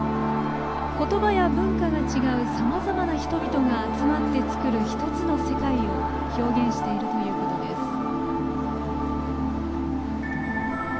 ことばや文化が違うさまざまな人々が集まって作る一つの世界を表現しているということです。